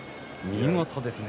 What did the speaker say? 見事ですね。